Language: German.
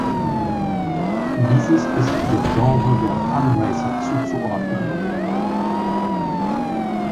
Dieses ist dem Genre der Fun-Racer zuzuordnen.